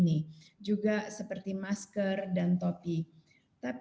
dan itu juga membuat saya merasa bahwa saya tidak bisa mencari keseimbangan baru